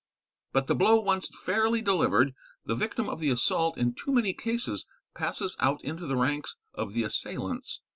But the blow once fairly delivered, the victim of the assault in too many cases passes out into the ranks of the assailants.